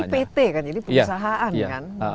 pt kan jadi perusahaan kan